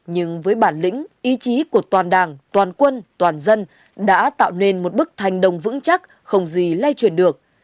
nhưng với bản lĩnh ý chí của toàn đảng toàn quân toàn dân đã tạo nên một bức thành đồng vững chắc không gì lay chuyển được